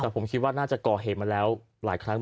แต่ผมคิดว่าน่าจะก่อเหตุมาแล้วหลายครั้ง